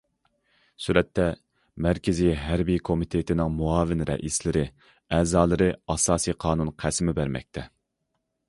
سۈرەتتە: مەركىزىي ھەربىي كومىتېتىنىڭ مۇئاۋىن رەئىسلىرى، ئەزالىرى ئاساسىي قانۇن قەسىمى بەرمەكتە.